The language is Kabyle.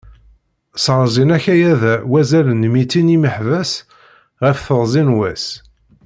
Sserzin akayad-a wazal n mitin n yimeḥbas ɣef teɣzi n wass.